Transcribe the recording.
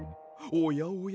おやおや？